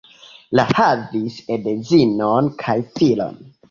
La havis edzinon kaj filon.